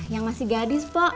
yang masih gadis po